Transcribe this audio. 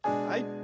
はい。